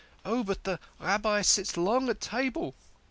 " Oh, but the Rabbi sits long at table."